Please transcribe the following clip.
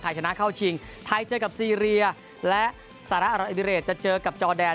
ใครชนะเข้าชิงไทยเจอกับซีเรียและสาระอัลอิมบิเรดจะเจอกับจอแดน